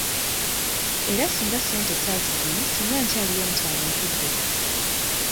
Era singa ssente saazifunye singa nkyaliyo mu kyalo ntudde.